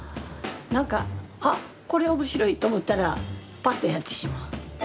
何かあっこれは面白いと思ったらパッとやってしまう。